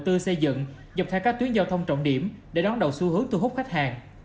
đầu tư xây dựng dọc theo các tuyến giao thông trọng điểm để đón đầu xu hướng thu hút khách hàng